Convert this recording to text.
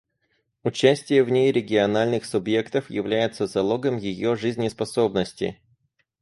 Участие в ней региональных субъектов является залогом ее жизнеспособности.